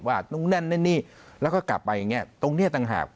ว่าตรงนั่นนั่นนี่และก็กลับไปอ่ะเนี่ยตรงเี้ยเอะไรนหาก